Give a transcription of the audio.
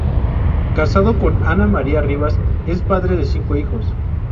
Casado con Ana María Rivas, es padre de cinco hijos.